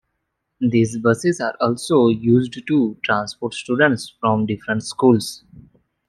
These buses are also used to transport students from different schools.